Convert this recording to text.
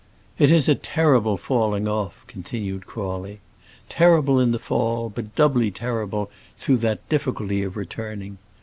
"It is a terrible falling off," continued Crawley: "terrible in the fall, but doubly terrible through that difficulty of returning.